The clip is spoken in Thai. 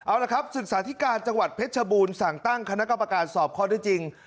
เอาละครับศึกษาธิการจังหวัดเพชรชบูรณ์สั่งตั้งคณะกรรมการสอบข้อได้จริง